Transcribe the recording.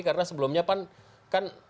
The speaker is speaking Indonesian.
karena sebelumnya pan kan